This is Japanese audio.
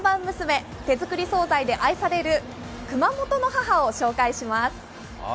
ヘルシーな手作り惣菜で愛される熊本の母」を紹介します。